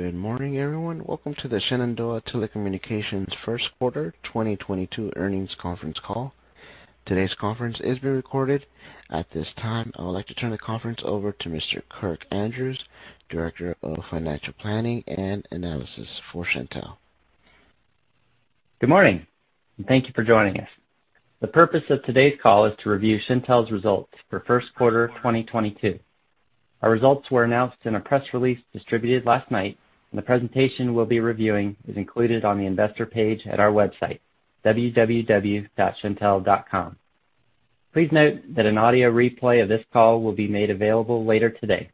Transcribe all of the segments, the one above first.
Good morning, everyone. Welcome to the Shenandoah Telecommunications Q1 2022 Earnings Conference Call. Today's conference is being recorded. At this time, I would like to turn the conference over to Mr. Kirk Andrews, Director of Financial Planning and Analysis for Shentel. Good morning, and thank you for joining us. The purpose of today's call is to review Shentel's results for Q1 2022. Our results were announced in a press release distributed last night, and the presentation we'll be reviewing is included on the investor page at our website, www.shentel.com. Please note that an audio replay of this call will be made available later today.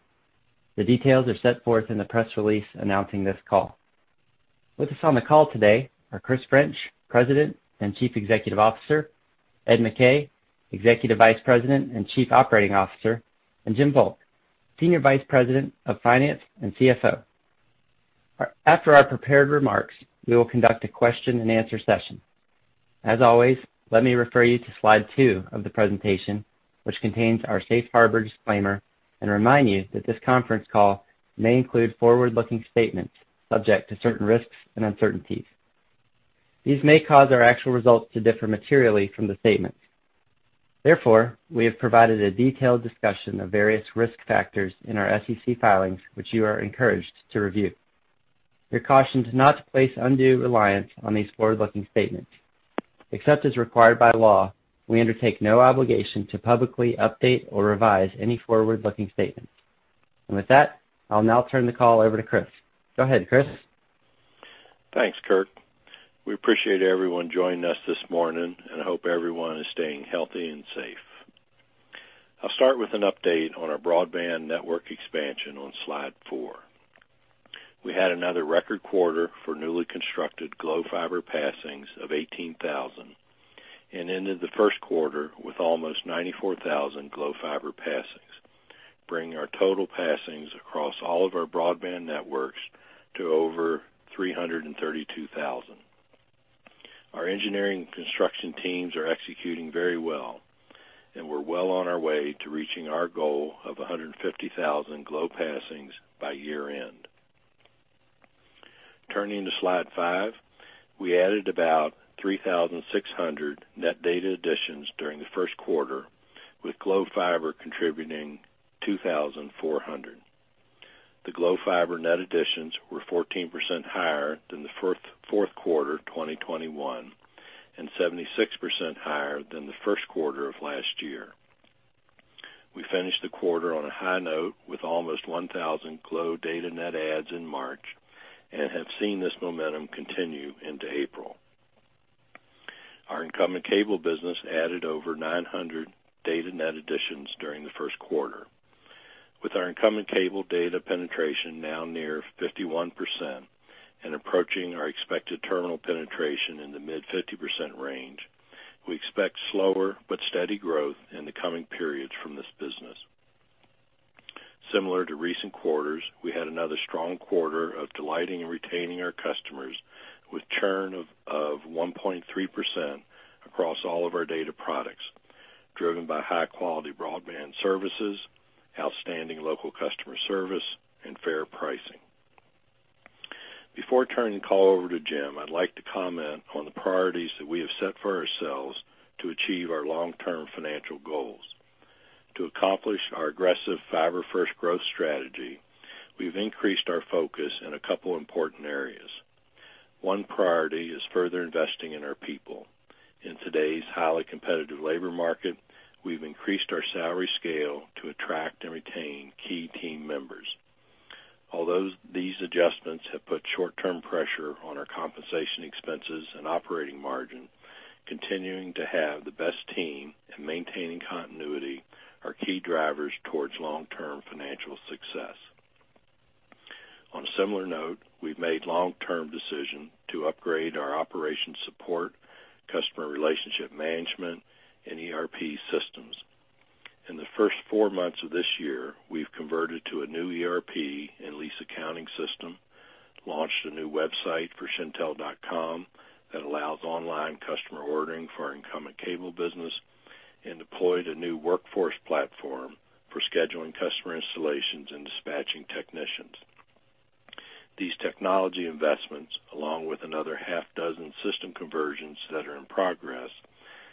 The details are set forth in the press release announcing this call. With us on the call today are Chris French, President and Chief Executive Officer, Ed McKay, Executive Vice President and Chief Operating Officer, and Jim Volk, Senior Vice President of Finance and CFO. After our prepared remarks, we will conduct a question-and-answer session. As always, let me refer you to slide two of the presentation, which contains our safe harbor disclaimer, and remind you that this conference call may include forward-looking statements subject to certain risks and uncertainties. These may cause our actual results to differ materially from the statements. Therefore, we have provided a detailed discussion of various risk factors in our SEC filings, which you are encouraged to review. You're cautioned not to place undue reliance on these forward-looking statements. Except as required by law, we undertake no obligation to publicly update or revise any forward-looking statements. With that, I'll now turn the call over to Chris. Go ahead, Chris. Thanks, Kirk. We appreciate everyone joining us this morning, and I hope everyone is staying healthy and safe. I'll start with an update on our broadband network expansion on slide four. We had another record quarter for newly constructed Glo Fiber passings of 18,000 and ended the Q1 with almost 94,000 Glo Fiber passings, bringing our total passings across all of our broadband networks to over 332,000. Our engineering construction teams are executing very well, and we're well on our way to reaching our goal of 150,000 Glo passings by year-end. Turning to slide five, we added about 3,600 net data additions during the Q1, with Glo Fiber contributing 2,400. The Glo Fiber net additions were 14% higher than the Q4 of 2021 and 76% higher than the Q1 of last year. We finished the quarter on a high note with almost 1,000 Glo data net adds in March and have seen this momentum continue into April. Our incumbent cable business added over 900 data net additions during the Q1. With our incumbent cable data penetration now near 51% and approaching our expected terminal penetration in the mid-fifty percent range, we expect slower but steady growth in the coming periods from this business. Similar to recent quarters, we had another strong quarter of delighting and retaining our customers with churn of one point three percent across all of our data products, driven by high-quality broadband services, outstanding local customer service, and fair pricing. Before turning the call over to Jim, I'd like to comment on the priorities that we have set for ourselves to achieve our long-term financial goals. To accomplish our aggressive fiber-first growth strategy, we've increased our focus in a couple important areas. One priority is further investing in our people. In today's highly competitive labor market, we've increased our salary scale to attract and retain key team members. Although these adjustments have put short-term pressure on our compensation expenses and operating margin, continuing to have the best team and maintaining continuity are key drivers towards long-term financial success. On a similar note, we've made long-term decision to upgrade our operations support, customer relationship management, and ERP systems. In the first four months of this year, we've converted to a new ERP and lease accounting system, launched a new website for shentel.com that allows online customer ordering for our incumbent cable business, and deployed a new workforce platform for scheduling customer installations and dispatching technicians. These technology investments, along with another six system conversions that are in progress,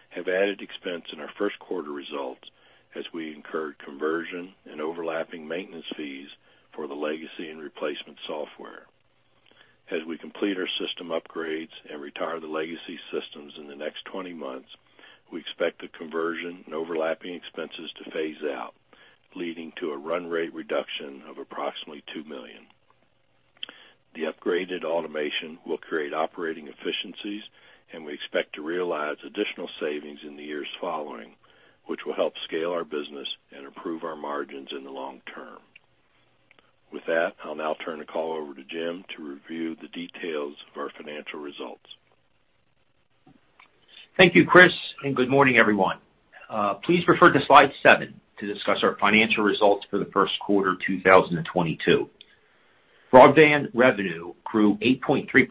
have added expense in our Q1 results as we incurred conversion and overlapping maintenance fees for the legacy and replacement software. As we complete our system upgrades and retire the legacy systems in the next 20 months, we expect the conversion and overlapping expenses to phase out, leading to a run rate reduction of approximately $2 million. The upgraded automation will create operating efficiencies, and we expect to realize additional savings in the years following, which will help scale our business and improve our margins in the long term. With that, I'll now turn the call over to Jim to review the details of our financial results. Thank you, Chris, and good morning, everyone. Please refer to slide 7 to discuss our financial results for the Q1 2022. Broadband revenue grew 8.3%.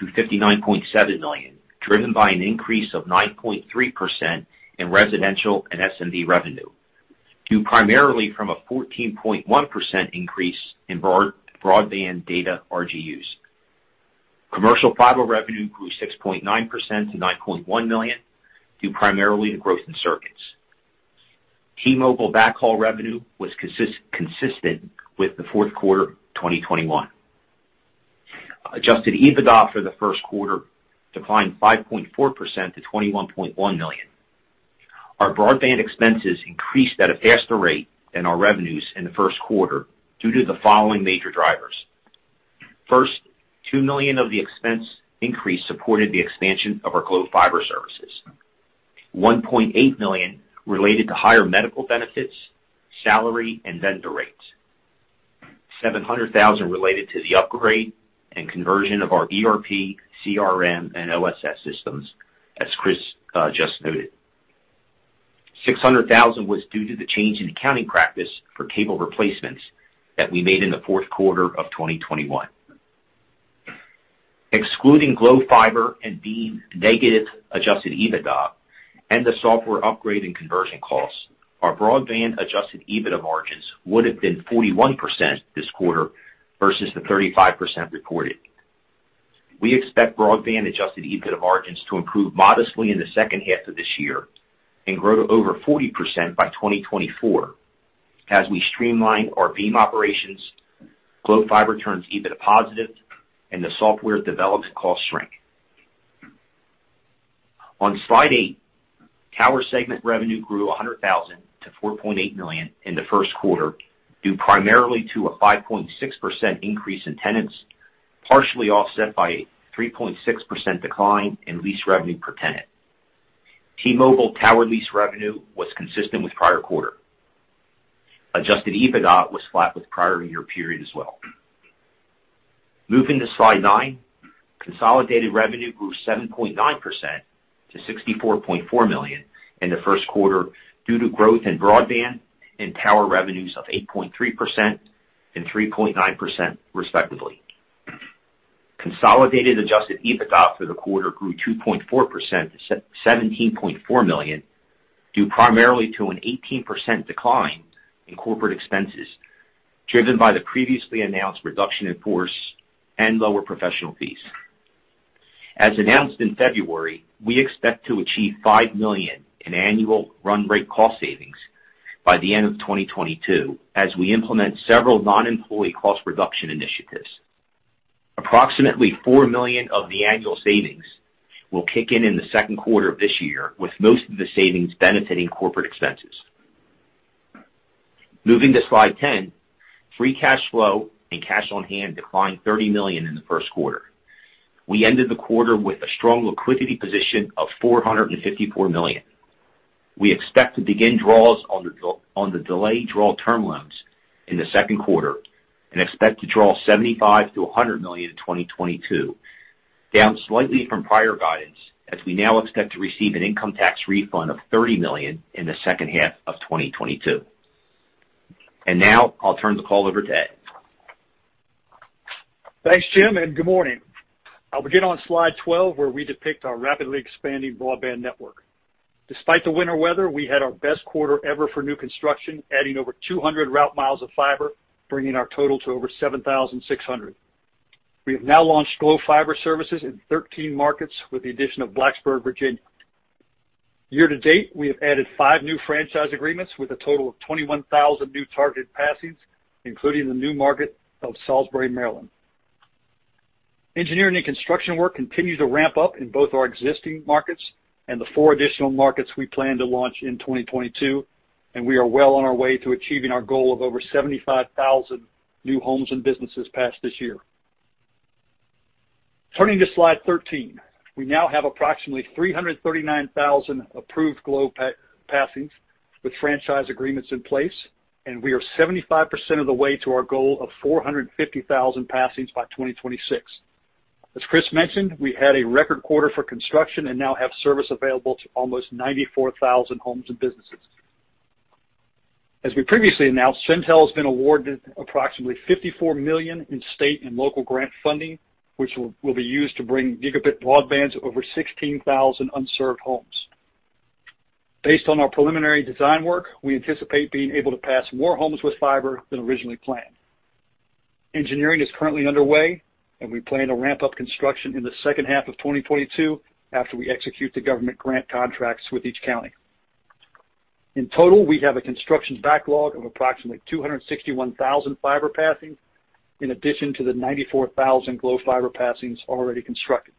To $59.7 million, driven by an increase of 9.3% in residential and SMB revenue, due primarily from a 14.1% increase in broadband data RGUs. Commercial fiber revenue grew 6.9% to $9.1 million, due primarily to growth in circuits. T-Mobile backhaul revenue was consistent with the Q4 2021. Adjusted EBITDA for the Q1 declined 5.4% to $21.1 million. Our broadband expenses increased at a faster rate than our revenues in the Q1 due to the following major drivers. First, $2 million of the expense increase supported the expansion of our Glo Fiber services. $1.8 million related to higher medical benefits, salary, and vendor rates. $700,000 related to the upgrade and conversion of our ERP, CRM, and OSS systems, as Chris just noted. $600,000 was due to the change in accounting practice for cable replacements that we made in the Q4 of 2021. Excluding Glo Fiber and Beam's negative adjusted EBITDA and the software upgrade and conversion costs, our broadband adjusted EBITDA margins would have been 41% this quarter versus the 35% reported. We expect broadband adjusted EBITDA margins to improve modestly in the second half of this year and grow to over 40% by 2024 as we streamline our Beam operations, Glo Fiber turns EBITDA positive, and the software development costs shrink. On slide 8, tower segment revenue grew $100,000 to $4.8 million in the Q1, due primarily to a 5.6% increase in tenants, partially offset by a 3.6% decline in lease revenue per tenant. T-Mobile tower lease revenue was consistent with prior quarter. Adjusted EBITDA was flat with prior year period as well. Moving to slide 9, consolidated revenue grew 7.9% to $64.4 million in the Q1 due to growth in broadband and tower revenues of 8.3% and 3.9% respectively. Consolidated adjusted EBITDA for the quarter grew 2.4% to $17.4 million, due primarily to an 18% decline in corporate expenses, driven by the previously announced reduction in force and lower professional fees. As announced in February, we expect to achieve $5 million in annual run rate cost savings by the end of 2022 as we implement several non-employee cost reduction initiatives. Approximately $4 million of the annual savings will kick in in the Q2 of this year, with most of the savings benefiting corporate expenses. Moving to slide 10, free cash flow and cash on hand declined $30 million in the Q1. We ended the quarter with a strong liquidity position of $454 million. We expect to begin draws on the delayed draw term loans in the Q2 and expect to draw $75 million-$100 million in 2022, down slightly from prior guidance as we now expect to receive an income tax refund of $30 million in the second half of 2022. Now, I'll turn the call over to Ed. Thanks, Jim, and good morning. I'll begin on slide 12, where we depict our rapidly expanding broadband network. Despite the winter weather, we had our best quarter ever for new construction, adding over 200 route miles of fiber, bringing our total to over 7,600. We have now launched Glo Fiber services in 13 markets with the addition of Blacksburg, Virginia. Year to date, we have added 5 new franchise agreements with a total of 21,000 new targeted passings, including the new market of Salisbury, Maryland. Engineering and construction work continue to ramp up in both our existing markets and the 4 additional markets we plan to launch in 2022, and we are well on our way to achieving our goal of over 75,000 new homes and businesses passed this year. Turning to slide 13. We now have approximately 339,000 approved Glo passings with franchise agreements in place, and we are 75% of the way to our goal of 450,000 passings by 2026. As Chris mentioned, we had a record quarter for construction and now have service available to almost 94,000 homes and businesses. As we previously announced, Shentel has been awarded approximately $54 million in state and local grant funding, which will be used to bring gigabit broadband to over 16,000 unserved homes. Based on our preliminary design work, we anticipate being able to pass more homes with fiber than originally planned. Engineering is currently underway, and we plan to ramp up construction in the second half of 2022 after we execute the government grant contracts with each county. In total, we have a construction backlog of approximately 261,000 fiber passings, in addition to the 94,000 Glo Fiber passings already constructed.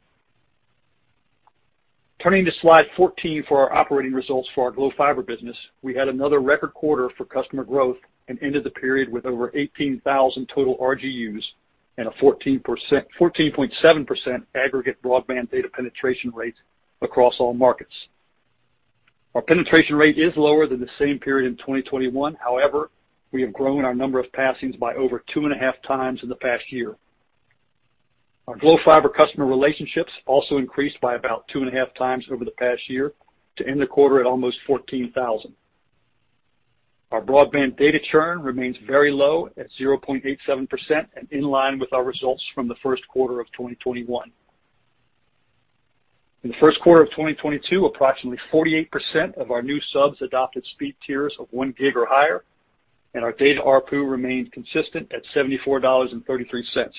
Turning to slide 14 for our operating results for our Glo Fiber business, we had another record quarter for customer growth and ended the period with over 18,000 total RGUs and a 14.7% aggregate broadband data penetration rate across all markets. Our penetration rate is lower than the same period in 2021. However, we have grown our number of passings by over two and a half times in the past year. Our Glo Fiber customer relationships also increased by about 2.5 times over the past year to end the quarter at almost 14,000. Our broadband data churn remains very low at 0.87% and in line with our results from the Q1 of 2021. In the Q1 of 2022, approximately 48% of our new subs adopted speed tiers of 1 gig or higher, and our data ARPU remained consistent at $74.33.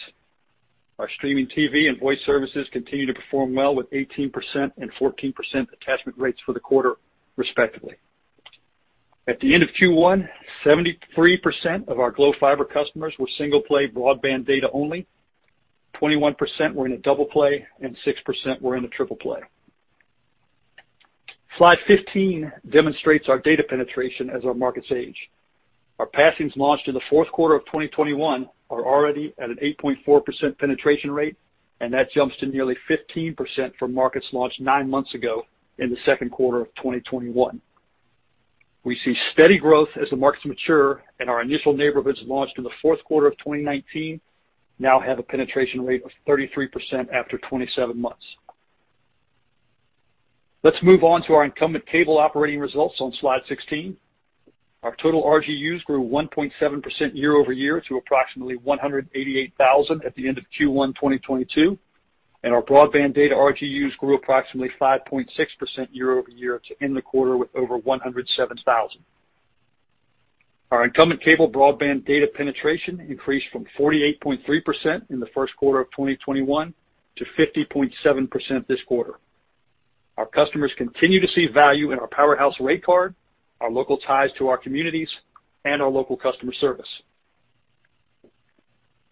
Our streaming TV and voice services continue to perform well with 18% and 14% attachment rates for the quarter, respectively. At the end of Q1, 73% of our Glo Fiber customers were single play broadband data only, 21% were in a double play, and 6% were in a triple play. Slide 15 demonstrates our data penetration as our markets age. Our passings launched in the Q4 of 2021 are already at an 8.4% penetration rate, and that jumps to nearly 15% for markets launched nine months ago in the Q2 of 2021. We see steady growth as the markets mature and our initial neighborhoods launched in the Q4 of 2019 now have a penetration rate of 33% after 27 months. Let's move on to our incumbent cable operating results on slide 16. Our total RGUs grew 1.7% year-over-year to approximately 188,000 at the end of Q1 2022, and our broadband data RGUs grew approximately 5.6% year-over-year to end the quarter with over 107,000. Our incumbent cable broadband data penetration increased from 48.3% in Q1 2021 to 50.7% this quarter. Our customers continue to see value in our Powerhouse rate card, our local ties to our communities, and our local customer service.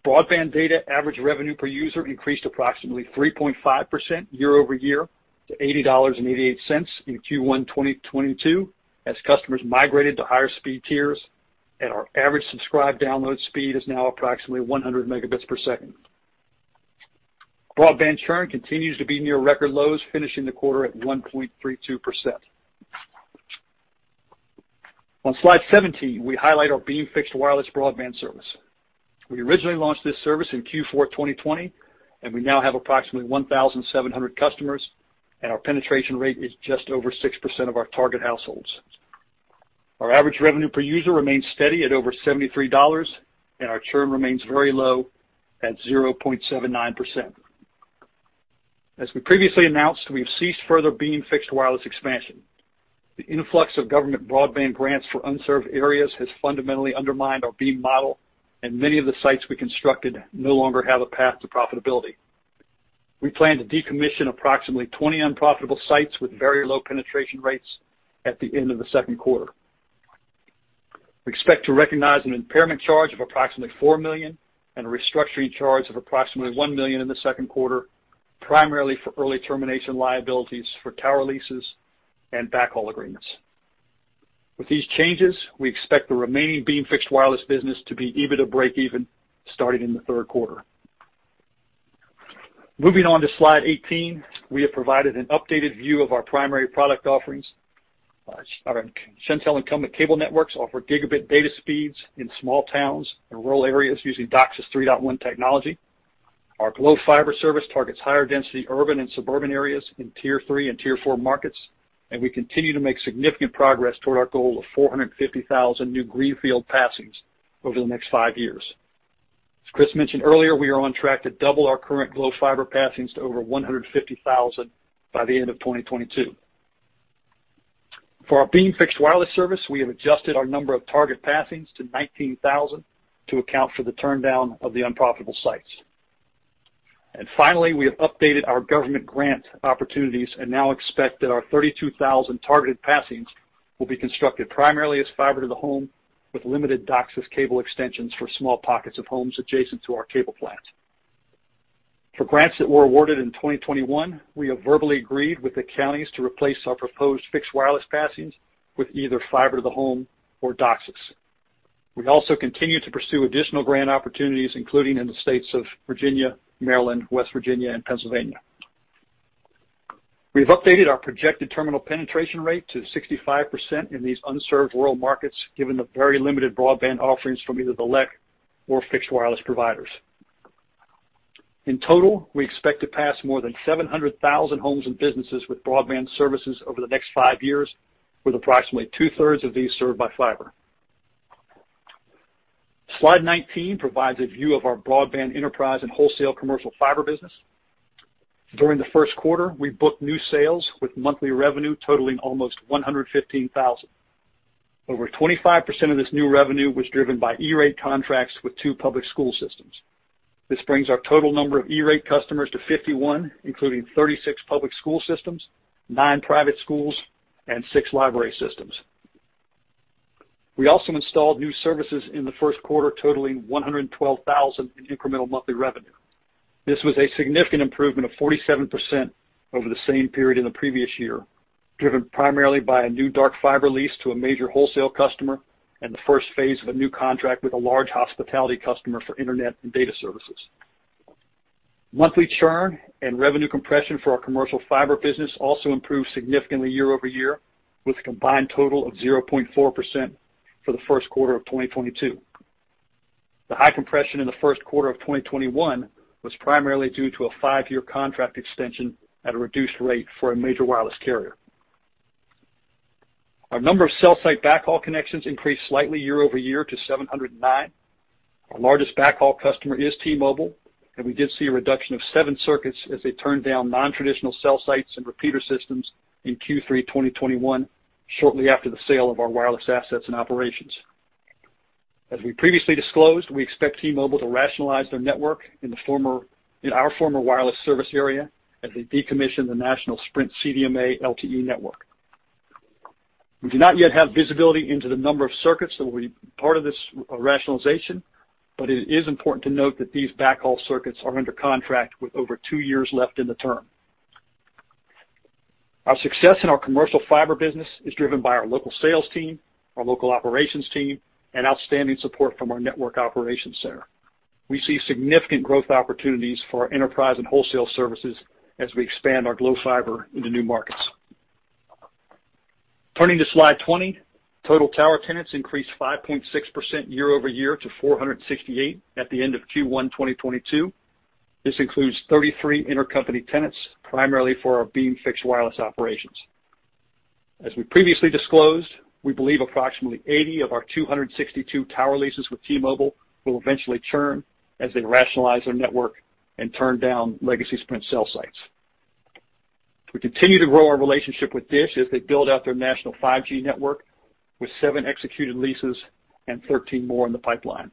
Broadband data average revenue per user increased approximately 3.5% year-over-year to $80.88 in Q1 2022 as customers migrated to higher speed tiers, and our average subscribed download speed is now approximately 100 Mbps. Broadband churn continues to be near record lows, finishing the quarter at 1.32%. On slide 17, we highlight our Beam fixed wireless broadband service. We originally launched this service in Q4 2020, and we now have approximately 1,700 customers, and our penetration rate is just over 6% of our target households. Our average revenue per user remains steady at over $73, and our churn remains very low at 0.79%. As we previously announced, we've ceased further Beam fixed wireless expansion. The influx of government broadband grants for unserved areas has fundamentally undermined our Beam model, and many of the sites we constructed no longer have a path to profitability. We plan to decommission approximately 20 unprofitable sites with very low penetration rates at the end of the Q2. We expect to recognize an impairment charge of approximately $4 million and a restructuring charge of approximately $1 million in the Q2, primarily for early termination liabilities for tower leases and backhaul agreements. With these changes, we expect the remaining Beam fixed wireless business to be EBITDA breakeven starting in the Q3. Moving on to slide 18. We have provided an updated view of our primary product offerings. Our Shentel incumbent cable networks offer gigabit data speeds in small towns and rural areas using DOCSIS 3.1 technology. Our Glo Fiber service targets higher density urban and suburban areas in tier three and tier four markets, and we continue to make significant progress toward our goal of 450,000 new greenfield passings over the next five years. As Chris mentioned earlier, we are on track to double our current Glo Fiber passings to over 150,000 by the end of 2022. For our Beam fixed wireless service, we have adjusted our number of target passings to 19,000 to account for the turndown of the unprofitable sites. Finally, we have updated our government grant opportunities and now expect that our 32,000 targeted passings will be constructed primarily as fiber to the home with limited DOCSIS cable extensions for small pockets of homes adjacent to our cable plant. For grants that were awarded in 2021, we have verbally agreed with the counties to replace our proposed fixed wireless passings with either fiber to the home or DOCSIS. We also continue to pursue additional grant opportunities, including in the states of Virginia, Maryland, West Virginia, and Pennsylvania. We've updated our projected terminal penetration rate to 65% in these unserved rural markets, given the very limited broadband offerings from either the LEC or fixed wireless providers. In total, we expect to pass more than 700,000 homes and businesses with broadband services over the next 5 years, with approximately two-thirds of these served by fiber. Slide 19 provides a view of our broadband enterprise and wholesale commercial fiber business. During the Q1, we booked new sales with monthly revenue totaling almost $115,000. Over 25% of this new revenue was driven by E-rate contracts with two public school systems. This brings our total number of E-rate customers to 51, including 36 public school systems, nine private schools, and six library systems. We also installed new services in the Q1, totaling $112,000 in incremental monthly revenue. This was a significant improvement of 47% over the same period in the previous year, driven primarily by a new dark fiber lease to a major wholesale customer and the first phase of a new contract with a large hospitality customer for internet and data services. Monthly churn and revenue compression for our commercial fiber business also improved significantly year over year with a combined total of 0.4% for the Q1 of 2022. The high compression in the Q1 of 2021 was primarily due to a five-year contract extension at a reduced rate for a major wireless carrier. Our number of cell site backhaul connections increased slightly year-over-year to 709. Our largest backhaul customer is T-Mobile, and we did see a reduction of seven circuits as they turned down non-traditional cell sites and repeater systems in Q3 2021, shortly after the sale of our wireless assets and operations. As we previously disclosed, we expect T-Mobile to rationalize their network in our former wireless service area as they decommission the national Sprint CDMA LTE network. We do not yet have visibility into the number of circuits that will be part of this rationalization, but it is important to note that these backhaul circuits are under contract with over two years left in the term. Our success in our commercial fiber business is driven by our local sales team, our local operations team, and outstanding support from our network operations center. We see significant growth opportunities for our enterprise and wholesale services as we expand our Glo Fiber into new markets. Turning to slide 20, total tower tenants increased 5.6% year-over-year to 468 at the end of Q1 2022. This includes 33 intercompany tenants, primarily for our Beam fixed wireless operations. As we previously disclosed, we believe approximately 80 of our 262 tower leases with T-Mobile will eventually churn as they rationalize their network and turn down legacy Sprint cell sites. We continue to grow our relationship with DISH as they build out their national 5G network with 7 executed leases and 13 more in the pipeline.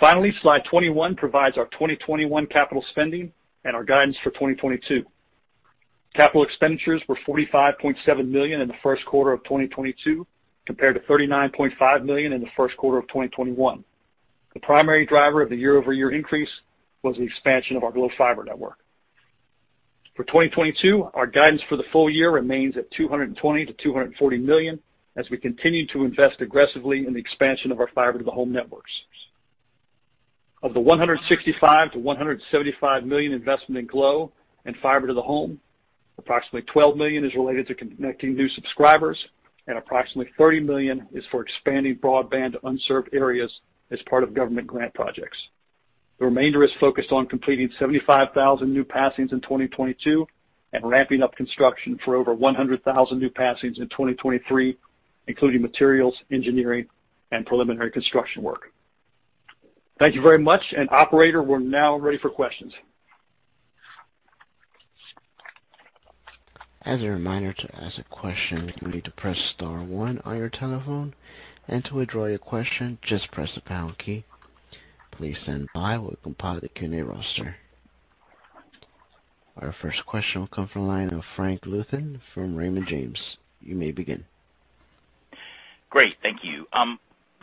Finally, slide 21 provides our 2021 capital spending and our guidance for 2022. Capital expenditures were $45.7 million in the of 2022, compared to $39.5 million in the Q1 of 2021. The primary driver of the year-over-year increase was the expansion of our Glo Fiber network. For 2022, our guidance for the full year remains at $220 million-$240 million as we continue to invest aggressively in the expansion of our fiber to the home networks. Of the $165 million-$175 million investment in Glo and fiber to the home, approximately $12 million is related to connecting new subscribers, and approximately $30 million is for expanding broadband to unserved areas as part of government grant projects. The remainder is focused on completing 75,000 new passings in 2022 and ramping up construction for over 100,000 new passings in 2023, including materials, engineering, and preliminary construction work. Thank you very much. Operator, we're now ready for questions. As a reminder, to ask a question, you need to press star one on your telephone, and to withdraw your question, just press the pound key. Please stand by while we compile the Q&A roster. Our first question will come from the line of Frank Louthan from Raymond James. You may begin. Great. Thank you.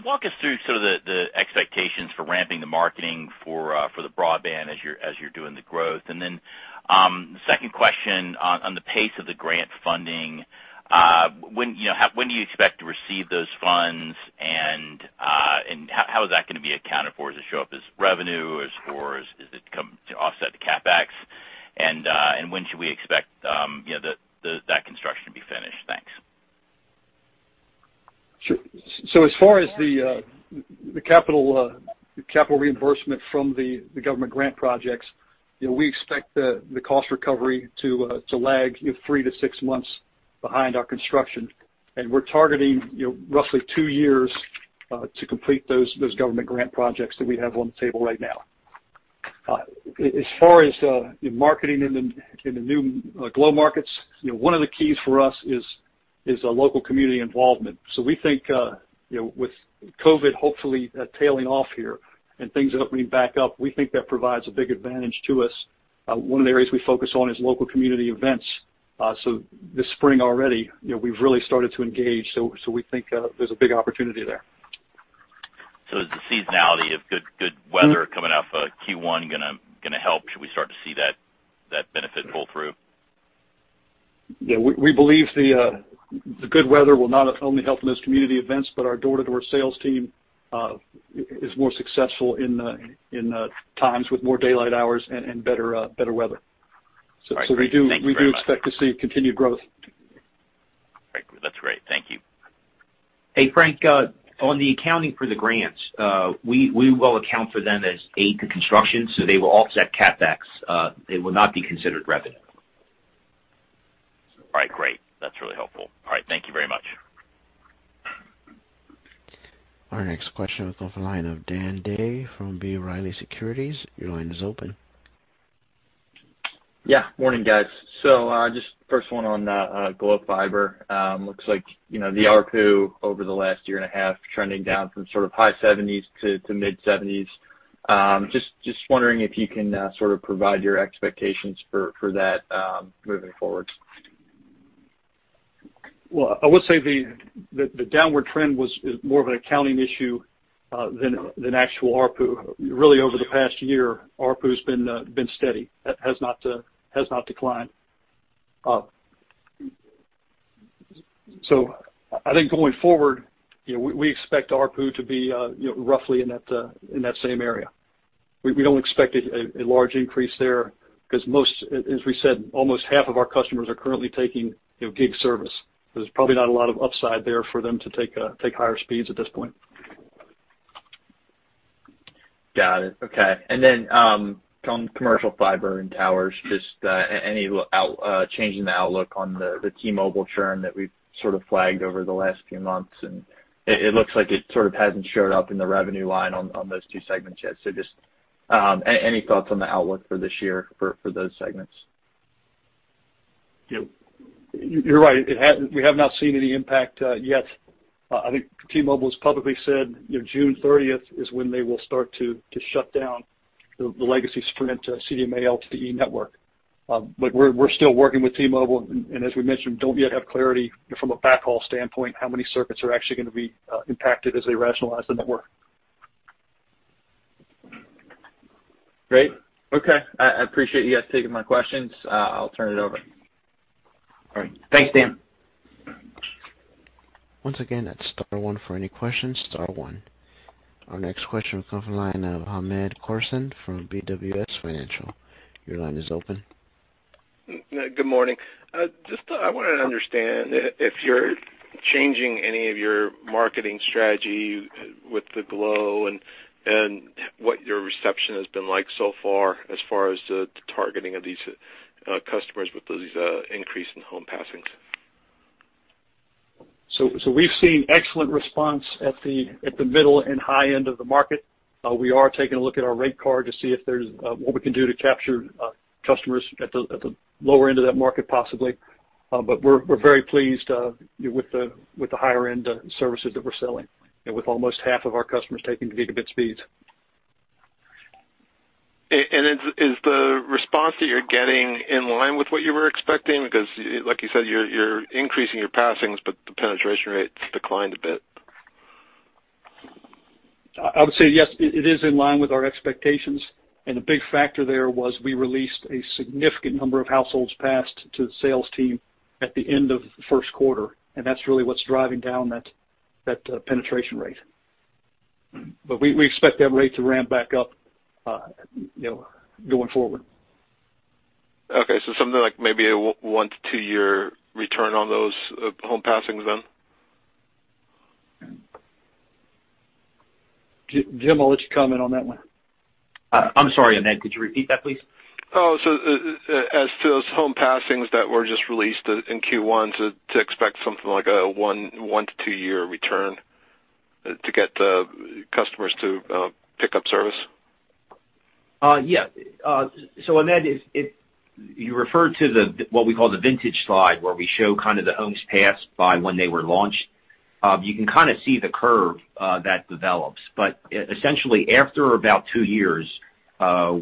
Walk us through sort of the expectations for ramping the marketing for the broadband as you're doing the growth. The second question on the pace of the grant funding, when do you expect to receive those funds, and how is that gonna be accounted for? Does it show up as revenue or does it come to offset the CapEx? When should we expect that construction to be finished? Thanks. Sure. As far as the capital reimbursement from the government grant projects, you know, we expect the cost recovery to lag three-six months behind our construction. We're targeting, you know, roughly two years to complete those government grant projects that we have on the table right now. As far as marketing in the new Glo markets, you know, one of the keys for us is a local community involvement. We think, you know, with COVID hopefully tailing off here and things opening back up, we think that provides a big advantage to us. One of the areas we focus on is local community events. This spring already, you know, we've really started to engage. We think there's a big opportunity there. Is the seasonality of good weather coming off Q1 gonna help? Should we start to see that benefit pull through? Yeah. We believe the good weather will not only help in those community events, but our door-to-door sales team is more successful in times with more daylight hours and better weather. All right. So we do- Thank you very much. We do expect to see continued growth. Great. That's great. Thank you. Hey, Frank, on the accounting for the grants, we will account for them as aid to construction, so they will offset CapEx. They will not be considered revenue. All right. Great. That's really helpful. All right. Thank you very much. Our next question comes from the line of Dan Day from B. Riley Securities. Your line is open. Yeah. Morning, guys. Just first one on Glo Fiber. Looks like, you know, the ARPU over the last year and a half trending down from sort of high seventies to mid-seventies. Just wondering if you can sort of provide your expectations for that moving forward. Well, I would say the downward trend is more of an accounting issue than actual ARPU. Really, over the past year, ARPU's been steady. It has not declined. I think going forward, you know, we expect ARPU to be, you know, roughly in that same area. We don't expect a large increase there because most, as we said, almost half of our customers are currently taking, you know, gig service. There's probably not a lot of upside there for them to take higher speeds at this point. Got it. Okay. On commercial fiber and towers, just any change in the outlook on the T-Mobile churn that we've sort of flagged over the last few months? It looks like it sort of hasn't showed up in the revenue line on those two segments yet. Just any thoughts on the outlook for this year for those segments? You're right. We have not seen any impact yet. I think T-Mobile has publicly said June thirtieth is when they will start to shut down the legacy Sprint CDMA LTE network. We're still working with T-Mobile, and as we mentioned, don't yet have clarity from a backhaul standpoint, how many circuits are actually gonna be impacted as they rationalize the network. Great. Okay. I appreciate you guys taking my questions. I'll turn it over. All right. Thanks, Dan. Once again, that's star one for any questions, star one. Our next question will come from the line of Hamed Khorsand from BWS Financial. Your line is open. Good morning. Just I wanted to understand if you're changing any of your marketing strategy with the Glo and what your reception has been like so far as the targeting of these customers with this increase in home passings. We've seen excellent response at the middle and high end of the market. We are taking a look at our rate card to see if there's what we can do to capture customers at the lower end of that market, possibly. We're very pleased with the higher end services that we're selling and with almost half of our customers taking gigabit speeds. Is the response that you're getting in line with what you were expecting? Because like you said, you're increasing your passings, but the penetration rates declined a bit. I would say, yes, it is in line with our expectations. A big factor there was we released a significant number of households passed to the sales team at the end of the Q1, and that's really what's driving down that penetration rate. Mm-hmm. We expect that rate to ramp back up, you know, going forward. Okay. Something like maybe a one-two year return on those home passings then? Jim, I'll let you comment on that one. I'm sorry, Hamed, could you repeat that, please? Oh, as to those home passings that were just released in Q1, to expect something like a one-two year return to get the customers to pick up service. Hamed, you refer to what we call the vintage slide, where we show kind of the homes passed by when they were launched. You can kind of see the curve that develops. Essentially after about two years,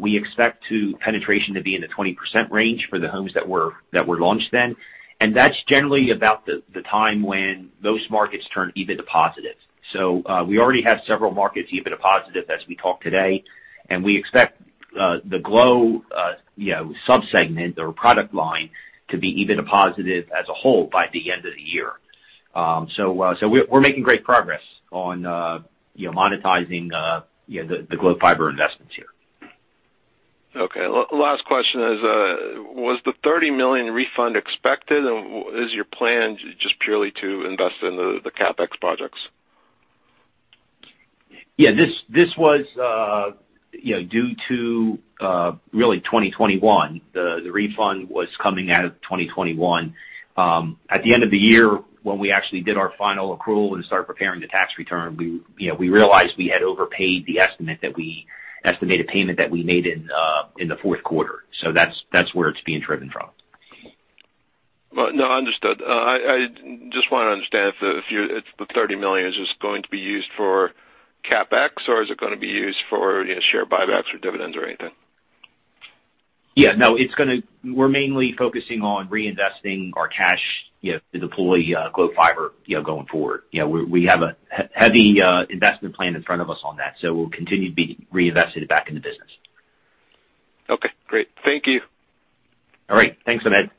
we expect penetration to be in the 20% range for the homes that were launched then. That's generally about the time when those markets turn EBITDA positive. We already have several markets EBITDA positive as we talk today, and we expect the Glo, you know, sub-segment or product line to be EBITDA positive as a whole by the end of the year. We're making great progress on you know monetizing you know the Glo Fiber investments here. Okay. Last question is, was the $30 million refund expected? Is your plan just purely to invest in the CapEx projects? Yeah, this was you know due to really 2021. The refund was coming out of 2021. At the end of the year when we actually did our final accrual and started preparing the tax return, you know we realized we had overpaid the estimated payment that we made in the Q4. That's where it's being driven from. Well, no, understood. I just wanna understand if the $30 million is going to be used for CapEx or is it gonna be used for, you know, share buybacks or dividends or anything? Yeah. No, we're mainly focusing on reinvesting our cash, you know, to deploy Glo Fiber, you know, going forward. You know, we have a heavy investment plan in front of us on that, so we'll continue to be reinvested back in the business. Okay, great. Thank you. All right. Thanks, Hamed.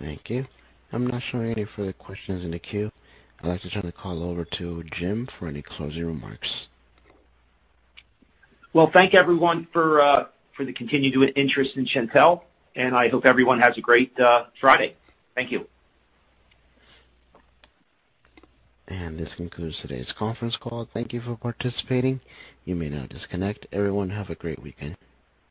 Thank you. I'm not showing any further questions in the queue. I'd like to turn the call over to Jim for any closing remarks. Well, thank everyone for the continued interest in Shentel, and I hope everyone has a great Friday. Thank you. This concludes today's conference call. Thank you for participating. You may now disconnect. Everyone, have a great weekend.